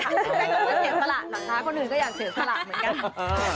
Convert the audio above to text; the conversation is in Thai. จะเสียสละเหรอคะคนอื่นก็อยากเสียสละเหมือนกัน